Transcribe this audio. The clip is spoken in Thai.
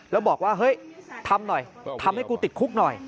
แล้วบอกว่าเฮ้ยทำหน่อยทำให้กูติดคุกหน่อย